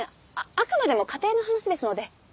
あくまでも仮定の話ですので。